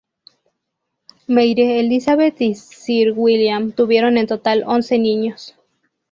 Mary Elizabeth y Sir William tuvieron en total once niños.